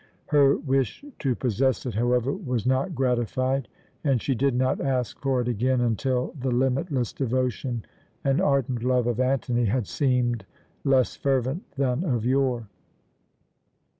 Her wish to possess it, however, was not gratified, and she did not ask for it again until the limitless devotion and ardent love of Antony had seemed less fervent than of yore.